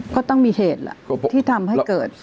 ก็ต้องมีเหตุแหละที่ทำให้เกิด